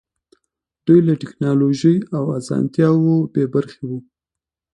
دوی له ټکنالوژۍ او اسانتیاوو بې برخې وو.